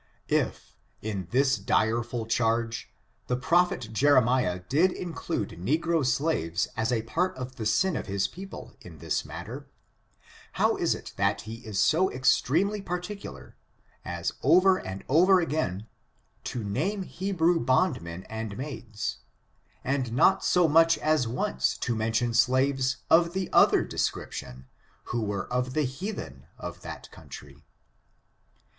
^^^^^^^^^r^^^^p^ PORTUKES, OF THE KEORO RACE. 331 If, in this direful charge, the prophet Jeremiah did iuclade negfro slaves as a part of the sin of his peo ple in this matter, how is it that he is so extremely particular, as over and over again, to name Hebrew bondmen and maids, and, not so much as imce to mention slaves of the other description, who were of the heathen of that country